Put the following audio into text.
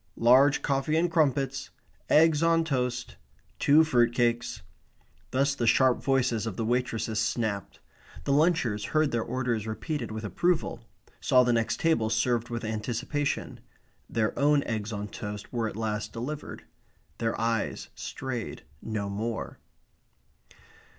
Large coffee and crumpets. Eggs on toast. Two fruit cakes." Thus the sharp voices of the waitresses snapped. The lunchers heard their orders repeated with approval; saw the next table served with anticipation. Their own eggs on toast were at last delivered. Their eyes strayed no more.